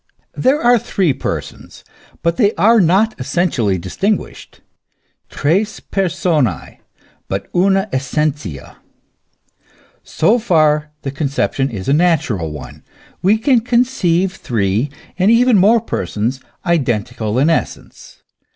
231 There are three Persons, but they are not essentially distin guished. Tres personce, hut una essentia. So far the concep tion is a natural one. We can conceive three and even more persons, identical in essence.